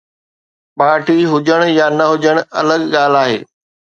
Party هجڻ يا نه هجڻ الڳ ڳالهه آهي.